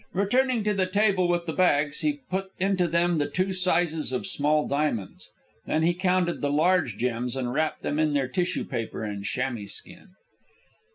Returning to the table with the bags, he put into them the two sizes of small diamonds. Then he counted the large gems and wrapped them in their tissue paper and chamois skin.